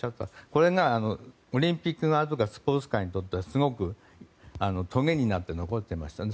これがオリンピック側とかスポーツ界にとってはすごく、とげになって残ってますよね。